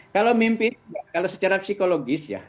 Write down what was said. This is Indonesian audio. kalau mimpi itu kalau secara psikologis ya